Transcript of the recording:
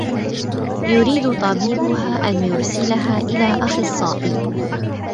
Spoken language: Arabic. يريد طبيبها أن يرسلها إلى أخصائي.